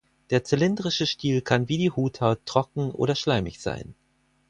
Der zylindrische Stiel kann wie die Huthaut trocken oder schleimig sein.